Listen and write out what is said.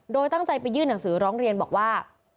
โดยตั้งใจไปยื่นหนังสือร้องเรียนบอกว่า